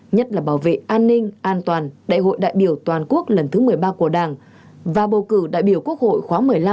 nhất là bảo vệ an ninh an toàn đại hội đại biểu toàn quốc lần thứ một mươi ba của đảng và bầu cử đại biểu quốc hội khóa một mươi năm